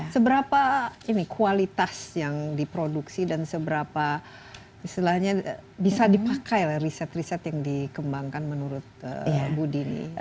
seberapa ini kualitas yang diproduksi dan seberapa istilahnya bisa dipakai lah riset riset yang dikembangkan menurut budi